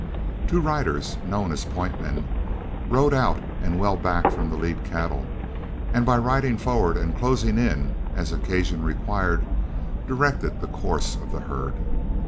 Two riders, known as point men, rode out and well back from the lead cattle, and by riding forward and closing in as occasion required, directed the course of the herd.